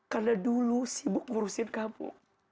karena dulu sibuk ngurusin kamu